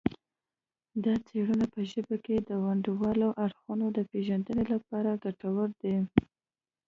دا څیړنه په ژبه کې د ونډوالو اړخونو د پیژندنې لپاره ګټوره ده